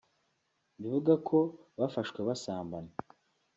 bivugwa ko bafashwe basambana